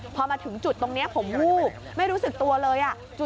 พอมาถึงจุดตรงนี้ผมวูบไม่รู้สึกตัวเลย